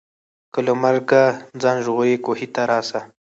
که له مرګه ځان ژغورې کوهي ته راسه